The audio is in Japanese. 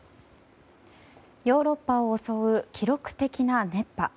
ヨーロッパを襲う記録的な熱波。